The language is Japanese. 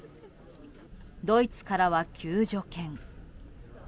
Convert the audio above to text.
ドイツからは救助犬。